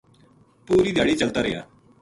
پوری دھیاڑی چلتا رہیا